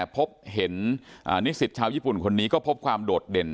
พบเห็นนิสิตชาวญี่ปุ่นคนนี้ก็พบความโดดเด่น